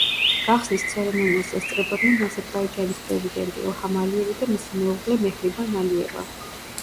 გახსნის ცერემონიას ესწრებოდნენ აზერბაიჯანის პრეზიდენტი ილჰამ ალიევი და მისი მეუღლე მეჰრიბან ალიევა.